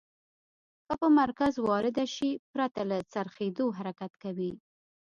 که په مرکز وارده شي پرته له څرخیدو حرکت کوي.